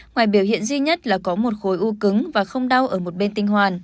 ngoài biểu hiện duy nhất là có một khối u cứng và không đau ở một bên tinh hoàn